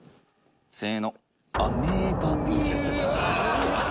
せーの」